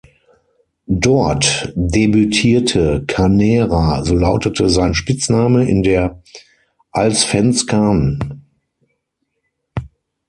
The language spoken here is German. Dort debütierte „Carnera“, so lautete sein Spitzname, in der Allsvenskan.